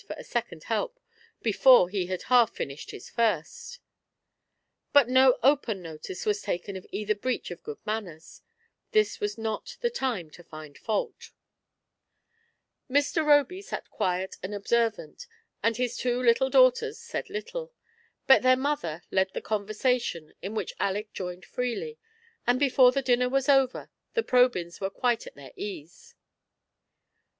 15 for a second help before he had half finished his first But no open notice was taken of either breach of good manners; this was not the time to find fault Mr. Roby sat quiet and observant, and his two little daughters said little; but their mother led the conversa tion, in which Aleck joined freely, and before the dinner was over the Probjms were quite at their ease.